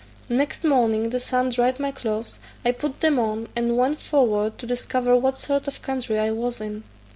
Next morning the sun dried my clothes; I put them on, and went forward to discover what sort of country I was in.